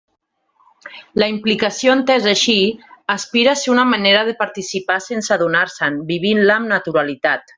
La implicació entesa així aspira a ser una manera de participar sense adonar-se'n, vivint-la amb naturalitat.